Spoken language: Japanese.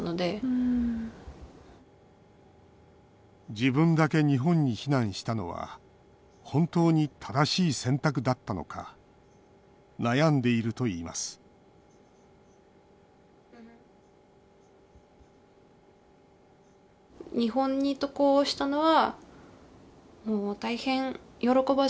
自分だけ日本に避難したのは本当に正しい選択だったのか悩んでいるといいます家族から贈られた指輪。